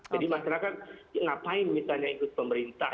jadi masyarakat ngapain misalnya ikut pemerintah